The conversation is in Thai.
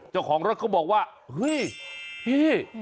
เจ้าของรถก็บอกว่าเฮ้ยเฮ้ย